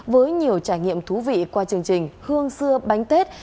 với nhiều trải nghiệm thú vị qua chương trình hương xưa bánh tết